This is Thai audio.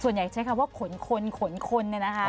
ส่วนใหญ่ใช้คำว่าขนคนขนคนนะคะ